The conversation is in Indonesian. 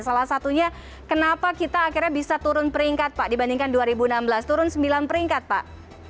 salah satunya kenapa kita akhirnya bisa turun peringkat pak dibandingkan dua ribu enam belas turun sembilan peringkat pak